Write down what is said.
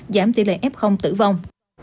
giảm tỷ lệ f tử vong